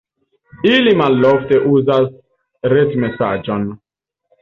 Ili malofte uzas retmesaĝon.